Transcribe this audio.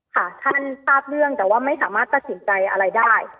ค่ะท่านทราบเรื่องแต่ว่าไม่สามารถตัดสินใจอะไรได้